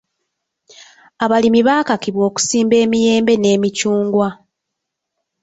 Abalimi baakakibwa okusimba emiyembe n'emiccungwa.